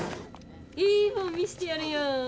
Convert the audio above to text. いいもん見せてやるよ。